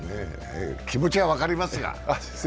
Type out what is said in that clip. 気持ちは分かりますが。